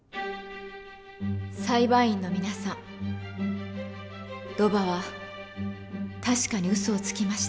裁判員の皆さんロバは確かにウソをつきました。